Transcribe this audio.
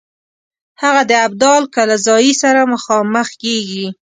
هغه د ابدال کلزايي سره مخامخ کیږي.